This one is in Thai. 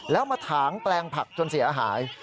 แล้วมาถางแปลงผักจนเสียหาย